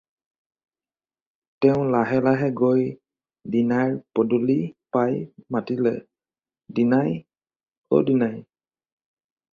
তেওঁ লাহে লাহে গৈ দীনাইৰ পদুলি পাই মাতিলে- "দীনাই! অ' দীনাই।"